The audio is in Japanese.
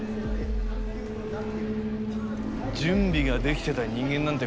準備ができてた人間なんて